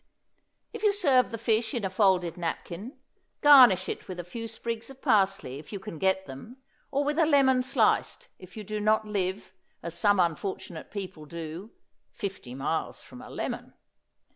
If you serve the fish in a folded napkin garnish it with a few sprigs of parsley, if you can get them, or with a lemon sliced, if you do not live as some unfortunate people do "fifty miles from a lemon."